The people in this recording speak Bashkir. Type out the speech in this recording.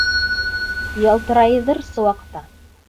Ялтырайҙыр сыуаҡта.